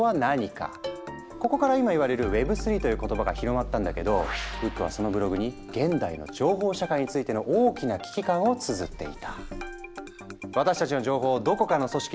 ここから今言われるＷｅｂ３という言葉が広まったんだけどウッドはそのブログに現代の情報社会についての大きな危機感をつづっていた。